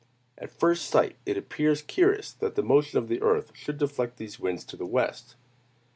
At first sight, it appears curious that the motion of the earth should deflect these winds to the west.